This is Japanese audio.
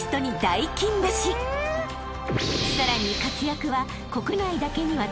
［さらに］